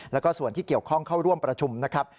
แล้วก็ส่วนที่เกี่ยวข้องเข้าร่วมประชุมนะครับ